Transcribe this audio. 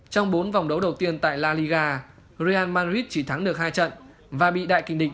trong bốn vòng đấu đầu tiên tại la liga real madrid chỉ thắng được hai trận